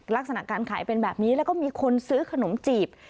ลักษณะการขายเป็นแบบนี้แล้วก็มีคนซื้อขนมจีบ